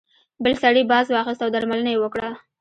بل سړي باز واخیست او درملنه یې وکړه.